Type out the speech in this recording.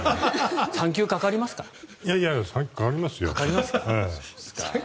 ３球かかりますよ。